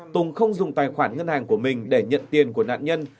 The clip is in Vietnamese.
tùng không dùng tài khoản ngân hàng của mình để nhận tiền của nạn nhân